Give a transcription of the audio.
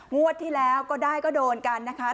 งวดที่แล้วก็ได้ก็โดนกันนะคะ